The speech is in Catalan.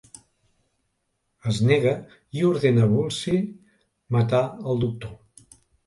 Es nega i ordena Woolsey matar el Doctor.